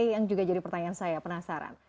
pak gia yang juga jadi pertanyaan saya penasaran